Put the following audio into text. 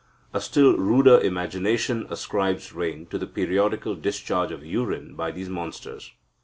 A still ruder imagination ascribes rain to the periodical discharge of urine by these monsters.